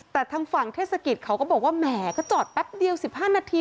แต่ทางฝั่งเทศกิจเขาก็บอกว่าแหมก็จอดแป๊บเดียว๑๕นาที